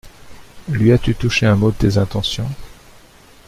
Lui as-tu touché un mot de tes intentions?